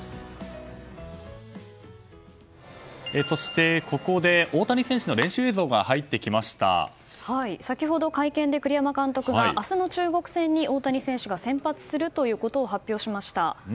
そして、ここで大谷選手の練習映像が先ほど会見で栗山監督が明日の中国戦に大谷選手が先発すると発表しました。